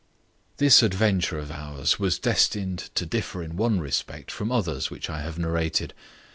This adventure of ours was destined to differ in one respect from others which I have narrated.